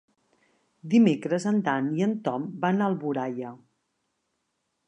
Dimecres en Dan i en Ton van a Alboraia.